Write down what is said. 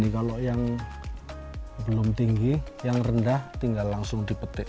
kalau yang belum tinggi yang rendah tinggal langsung dipetik